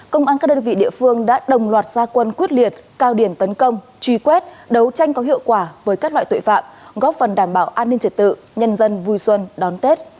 công an các đơn vị địa phương đã đồng loạt gia quân quyết liệt cao điểm tấn công truy quét đấu tranh có hiệu quả với các loại tội phạm góp phần đảm bảo an ninh trật tự nhân dân vui xuân đón tết